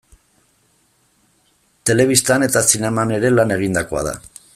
Telebistan eta zineman ere lan egindakoa da.